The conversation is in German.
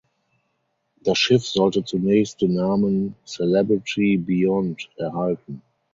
Das Schiff sollte zunächst den Namen "Celebrity Beyond" erhalten.